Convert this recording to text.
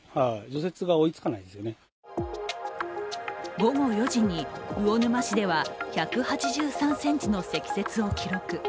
午後４時に魚沼市では１８３ｃｍの積雪を記録。